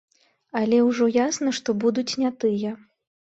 Але ўжо ясна, што будуць не тыя.